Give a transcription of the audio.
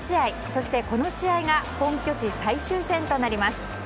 そしてこの試合が本拠地最終戦となります。